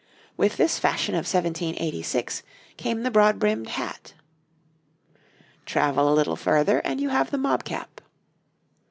With this fashion of 1786 came the broad brimmed hat. Travel a little further and you have the mob cap.